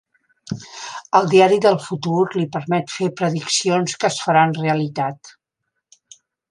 El diari del futur li permet fer prediccions que es faran realitat.